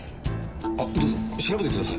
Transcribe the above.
あっどうぞ調べてください。